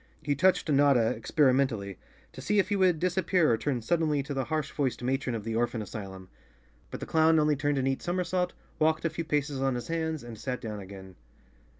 He touched Notta experimentally, to see if he would disappear or turn suddenly to the harsh voiced matron of the orphan asylum. But the clown only turned a neat somersault, walked a few paces on his hands and sat down again.